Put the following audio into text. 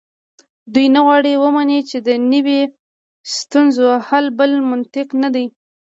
دوی نه غواړي ومني چې دنیوي ستونزو حل بل منطق ته ده.